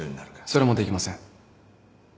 それもできません。